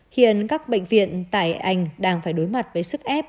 hiện các bệnh viện tại anh đang phải đối mặt với sức ép